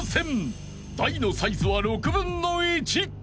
［台のサイズは６分の１］